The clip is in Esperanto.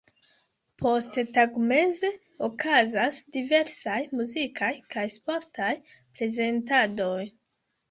Posttagmeze okazas diversaj muzikaj kaj sportaj prezentadoj.